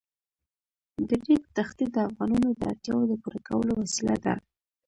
د ریګ دښتې د افغانانو د اړتیاوو د پوره کولو وسیله ده.